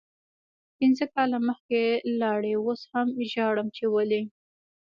پنځه کاله مخکې لاړی اوس هم ژاړم چی ولې